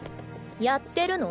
やってるの？